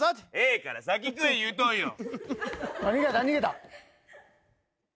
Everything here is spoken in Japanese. ええから先食え言うとんよ。